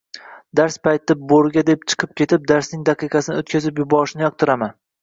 Dars payti bo'rga deb chiqib ketib, darsning daqiqasini o'tkazib yuborishni yoqtiraman!